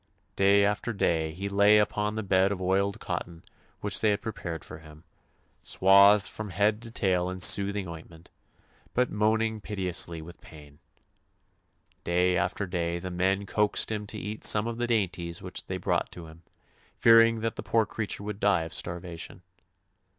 Day after day he lay upon the bed of oiled cotton which they had prepared for him, swathed from head to tail in soothing oint ment, but moaning piteously with pain. Day after day the men coaxed him to eat some of the dainties which they brought to him, fearing that the poor creature would die of starvation.